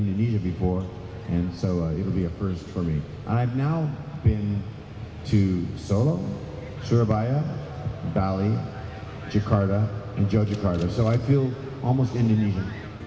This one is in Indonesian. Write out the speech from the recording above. jadi saya merasa hampir seperti di indonesia